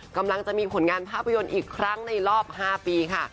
กำลังจะมีผลงานภาพยนตร์อีกครั้งในรอบ๕ปีค่ะ